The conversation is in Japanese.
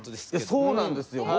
そうなんですよ。